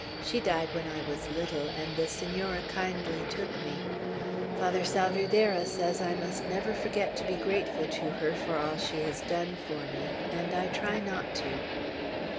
She died when I was little, and the Senora kindly took me. Father Salvierderra says I must never forget to be grateful to her for all she has done for me, and I try not to."